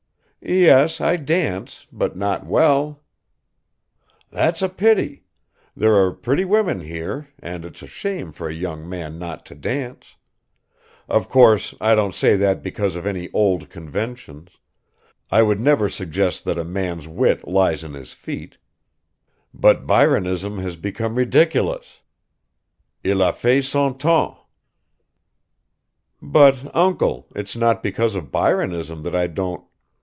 "Yes, I dance, but not well." "That's a pity! There are pretty women here, and it's a shame for a young man not to dance. Of course I don't say that because of any old conventions; I would never suggest that a man's wit lies in his feet, but Byronism has become ridiculous il a fait son temps." "But, uncle, it's not because of Byronism that I don't